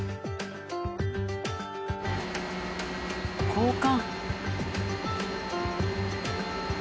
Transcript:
交換。